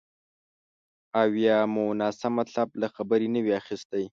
او یا مو ناسم مطلب له خبرې نه وي اخیستی